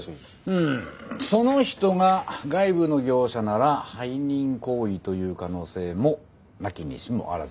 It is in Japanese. うんその人が外部の業者なら背任行為という可能性もなきにしもあらずですかね。